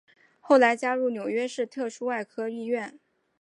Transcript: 后来加入纽约市特殊外科医院。